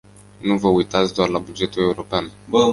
Nu vă uitați doar la bugetul european.